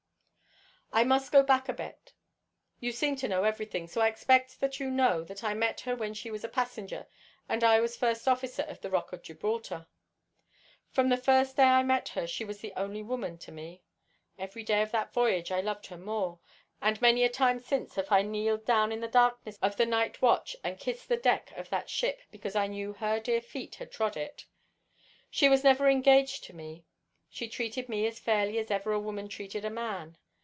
"I must go back a bit. You seem to know everything, so I expect that you know that I met her when she was a passenger and I was first officer of the ROCK OF GIBRALTAR. From the first day I met her she was the only woman to me. Every day of that voyage I loved her more, and many a time since have I kneeled down in the darkness of the night watch and kissed the deck of that ship because I knew her dear feet had trod it. She was never engaged to me. She treated me as fairly as ever a woman treated a man.